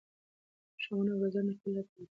ښوونه او روزنه د ټولنې لپاره حیاتي ده.